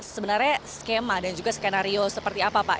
sebenarnya skema dan juga skenario seperti apa pak